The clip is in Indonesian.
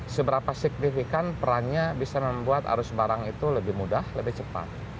seberapa signifikan perannya bisa membuat arus barang itu lebih mudah lebih cepat